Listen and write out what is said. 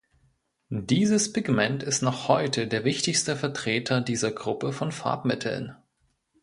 Dieses Pigment ist noch heute der wichtigste Vertreter dieser Gruppe von Farbmitteln.